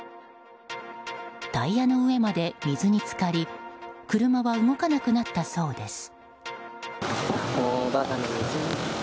タイヤの上まで水に浸かり車は動かなくなったそうです。